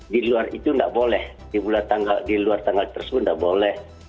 di luar itu nggak boleh di luar tanggal tersebut tidak boleh